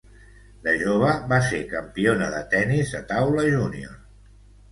De jove, va ser campiona de tennis de taula júnior.